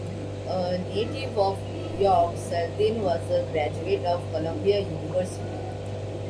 A native of New York, Seldin was a graduate of Columbia University.